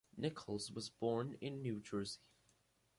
Nichols was born in New Jersey.